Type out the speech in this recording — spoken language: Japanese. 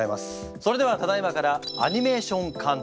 それではただいまからアニメーション監督